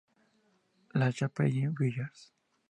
La Chapelle-Villars